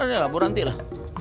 ya bu nanti lah